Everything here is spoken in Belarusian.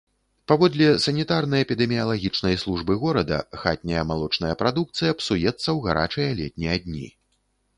Паводле санітарна-эпідэміялагічнай службы горада, хатняя малочная прадукцыя псуецца ў гарачыя летнія дні.